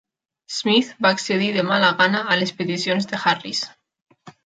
Smith va accedir de mala gana a les peticions de Harris.